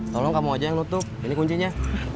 tolong kamu aja yang nutup ini kuncinya